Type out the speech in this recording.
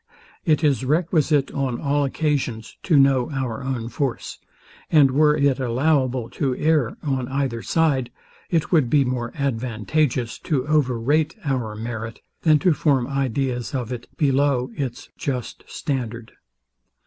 It is requisite on all occasions to know our own force; and were it allowable to err on either side, it would be more advantageous to over rate our merit, than to form ideas of it, below its just standard.